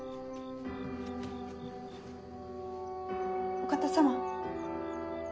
・お方様。